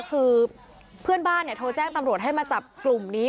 คือเพื่อนบ้านโทรแจ้งตำรวจให้มาจับกลุ่มนี้